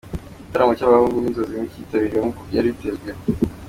Igitaramo cya abahungu binzozi nticyitabiriwe nk’uko byari byitezwe